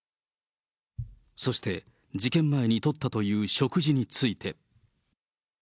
そして事件前にとったという食事について。